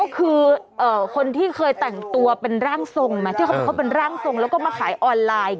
คือคนที่เคยแต่งตัวเป็นร่างทรงมาที่เขาเป็นร่างทรงแล้วก็มาขายออนไลน์